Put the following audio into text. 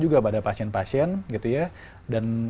juga pada pasien pasien gitu ya dan